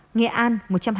nghệ an một trăm hai mươi bốn